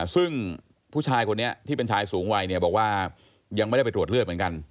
ซึ่งผู้ชายคนนี้ที่เป็นชายสูงวัยเนี่ยบอกว่ายังไม่ได้ไปตรวจเลือดเหมือนกัน